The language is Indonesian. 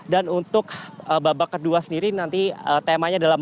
dan untuk babak kedua sendiri nanti temanya adalah